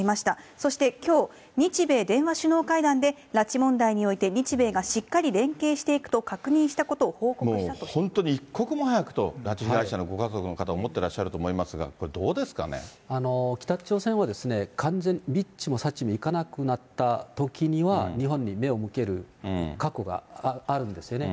そしてきょう、日米電話首脳会談で、拉致問題において日米がしっかり連携していくと確認したことを報もう、本当に一刻も早くと、拉致被害者のご家族の方、思ってらっしゃると思いますが、北朝鮮は、完全、にっちもさっちもいかなくなったときには、日本に目を向ける過去があるんですよね。